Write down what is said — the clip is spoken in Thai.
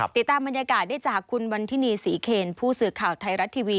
ติดตามบรรยากาศได้จากคุณวันทินีศรีเคนผู้สื่อข่าวไทยรัฐทีวี